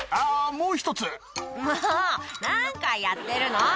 「もう何回やってるの！」